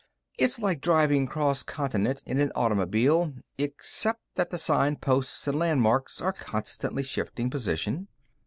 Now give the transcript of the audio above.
It's like driving cross continent in an automobile, except that the signposts and landmarks are constantly shifting position.